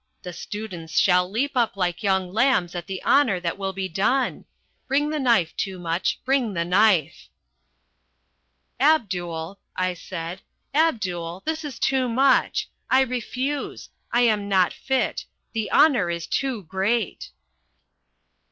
The students shall leap up like young lambs at the honour that will be done. Bring the knife, Toomuch; bring the knife!" "Abdul," I said, "Abdul, this is too much. I refuse. I am not fit. The honour is too great."